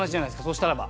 そしたらば。